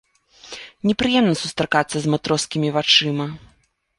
Непрыемна сустракацца з матроскімі вачыма.